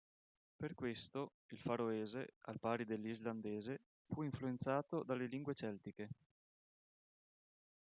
Per questo, il faroese, al pari dell'islandese, fu influenzato dalle lingue celtiche.